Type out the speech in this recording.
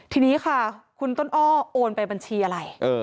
ทีนี้ค่ะคุณต้นอ้อโอนไปบัญชีอะไร